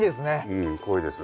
うん濃いです。